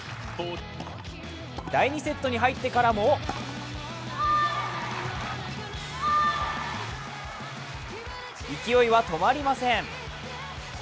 第２セットに入ってからも勢いは止まりません。